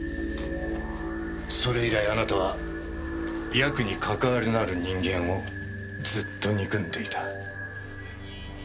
それ以来あなたはヤクに関わりのある人間をずっと憎んでいた。